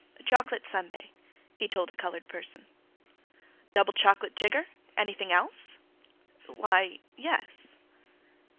"Chocolate sundae," he told a colored person. "Double chocolate jiggah? Anything else?" "Why—yes."